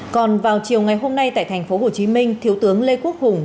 còn vào chiều ngày hôm nay tại thành phố hồ chí minh thiếu tướng lê quốc hùng